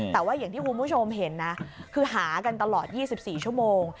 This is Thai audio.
แต่ว่าอย่างที่คุณผู้ชมเห็นนะคือหากันตลอด๒๔ชั่วโมง